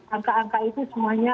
angka angka itu semuanya